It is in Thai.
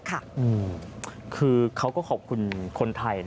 คือเขาก็ขอบคุณคนไทย